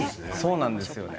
そうなんですよね。